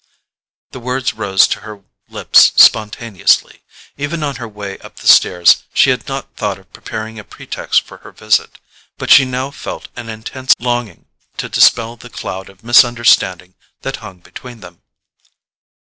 The words rose to her lips spontaneously. Even on her way up the stairs, she had not thought of preparing a pretext for her visit, but she now felt an intense longing to dispel the cloud of misunderstanding that hung between them.